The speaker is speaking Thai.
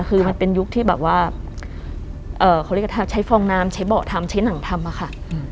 คือมันเป็นยุคที่แบบว่าเขาเรียกใช้ฟองน้ำใช้เบาะทำใช้หนังทำอะค่ะ